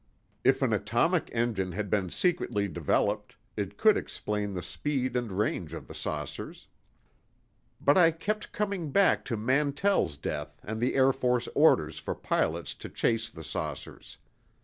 If an atomic engine had been secretly developed, it could explain the speed and range of the saucers. But I kept coming back to Mantell's death and the Air Force orders for pilots to chase the saucers.